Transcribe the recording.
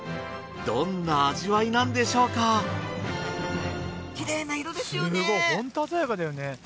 どんな味わいなんでしょうかきれいな色ですよね！